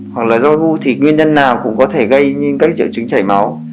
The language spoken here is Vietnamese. hoặc là do gu thì nguyên nhân nào cũng có thể gây những triệu chứng chảy máu